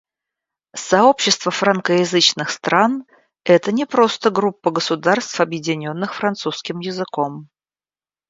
Сообщество франкоязычных стран — это не просто группа государств, объединенных французским языком.